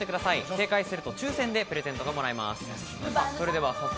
正解すると抽選でプレゼントがもらえます。